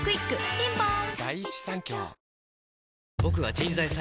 ピンポーン